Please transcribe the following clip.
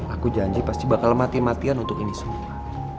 aku janji pasti bakal mati matian untuk ini semua